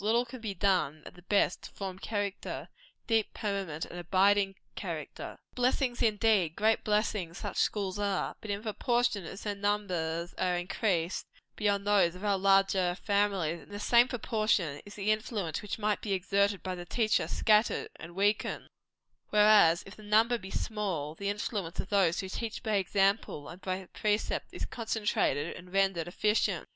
Little can be done, at the best, to form character deep, permanent, and abiding character. Blessings indeed great blessings such schools are; but in proportion as their numbers are increased beyond those of our larger families, in the same proportion is the influence which might be exerted by the teacher, scattered and weakened; whereas, if the number be small, the influence of those who teach by example and by precept, is concentrated, and rendered efficient.